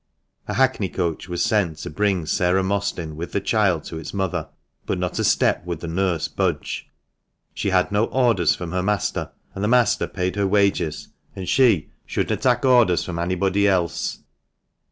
A hackney coach was sent to bring Sarah Mostyn with the child to its mother ; but not a step would the nurse budge. She had no orders from her master, and the master paid her wages, and she " shouldna tak' orders from annybody else."